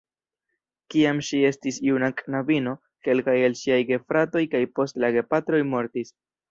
Kiam ŝi estis juna knabino, kelkaj el ŝiaj gefratoj kaj poste la gepatroj mortis.